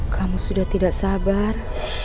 kamu sudah tidak sabar